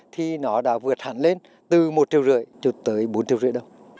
thì nó đã vượt hẳn lên từ một triệu rưỡi cho tới bốn triệu rưỡi đâu